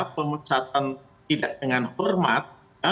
pemencatan tidak dengan hormat